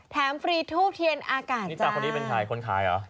แถมฟรีทูบเทียนอากาศจ้ะนี่จากคนที่เป็นคนขายเหรอ